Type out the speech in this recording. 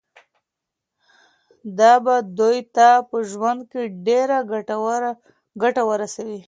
دا به دوی ته په ژوند کي ډیره ګټه ورسوي.